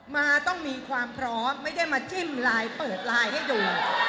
มาต้องมีความพร้อมไม่ได้มาจิ้มไลน์เปิดไลน์ให้ดู